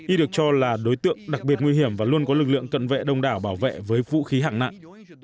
y được cho là đối tượng đặc biệt nguy hiểm và luôn có lực lượng cận vệ đông đảo bảo vệ với vũ khí hạng nặng